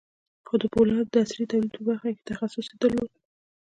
خو د پولادو د عصري تولید په برخه کې یې تخصص درلود